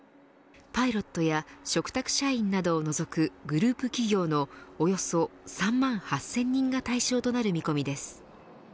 パイロットや嘱託社員などを除くグループ企業のおよそ３万８０００人が対象となる見込みです。